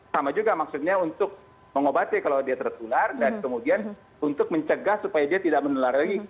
sama juga maksudnya untuk mengobati kalau dia tertular dan kemudian untuk mencegah supaya dia tidak menular lagi